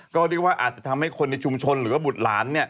ก็เรียกว่าอาจจะทำให้คนในชุมชนหรือว่าบุตรหลาน